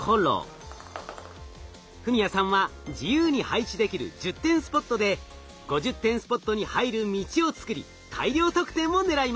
史哉さんは自由に配置できる１０点スポットで５０点スポットに入る道を作り大量得点を狙います。